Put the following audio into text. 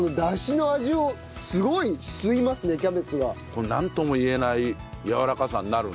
このなんとも言えないやわらかさになるね。